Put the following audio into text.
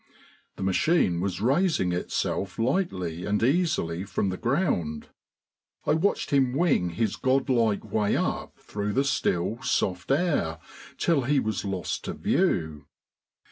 The machine was raising itself lightly and easily from the ground. I watched him wing his god like way up through the still, soft air till he was lost to view.